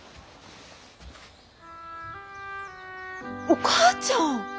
お母ちゃん！